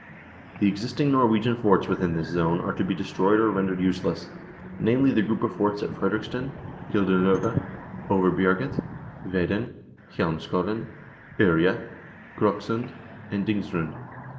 The existing Norwegian forts within this zone are to be destroyed or rendered useless namely, the group of forts at Fredriksten, Gyldenlove, Over bjerget, Veden, Hjelmkollen, Orje, Kroksund, and Dingsrud.